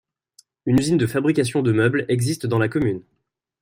Une usine de fabrication de meubles existe dans la commune.